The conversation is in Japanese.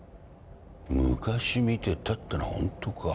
昔見てたってのはホントか。